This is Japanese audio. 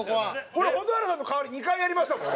俺蛍原さんの代わり２回やりましたもん。